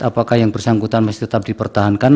apakah yang bersangkutan masih tetap dipertahankan